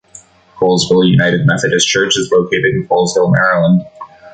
Colesville United Methodist Church is located in Colesville, Maryland.